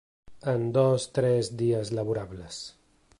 En dos-tres dies laborables.